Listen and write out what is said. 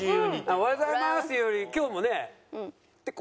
「おはようございます」って言うより今日もねあいさつ